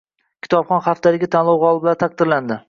«Kitobxonlik haftaligi» tanlovi g‘oliblari taqdirlanding